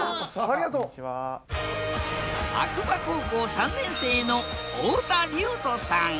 白馬高校３年生の太田硫斗さん。